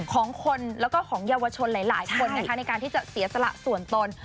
ของคนแล้วก็ของเยาวชนหลายคนนะคะในการที่จะเสียสละส่วนตน